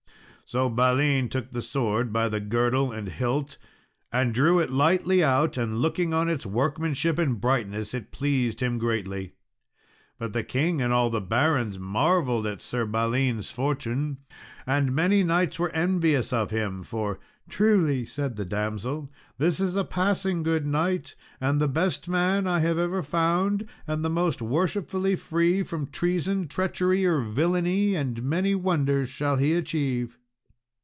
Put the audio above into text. So Balin took the sword by the girdle and hilt, and drew it lightly out, and looking on its workmanship and brightness, it pleased him greatly. But the king and all the barons marvelled at Sir Balin's fortune, and many knights were envious of him, for, "Truly," said the damsel, "this is a passing good knight, and the best man I have ever found, and the most worshipfully free from treason, treachery, or villainy, and many wonders shall he achieve."